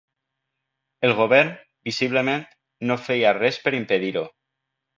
El Govern, visiblement, no feia res per impedir-ho